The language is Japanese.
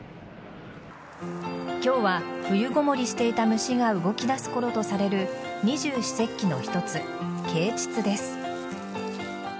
今日は冬ごもりしていた虫が動き出すころとされる二十四節気の一つ啓蟄です。